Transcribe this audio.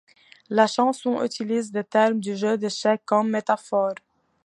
La chanson utilise des termes du jeu d’échecs comme métaphores.